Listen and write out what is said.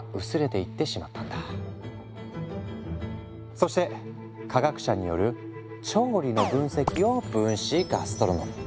そして科学者による調理の分析を「分子ガストロノミー」。